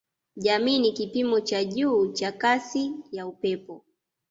Jamii ni kipimo cha juu cha kasi ya upepo